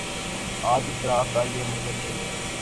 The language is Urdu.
آج اضطراب کا یہ منظر کیوں ہے؟